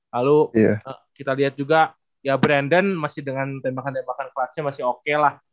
lalu kita lihat juga ya brandon masih dengan tembakan tembakan kelasnya masih oke lah